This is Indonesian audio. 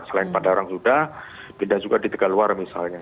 selain padlarang juga pindah juga di tegar luar misalnya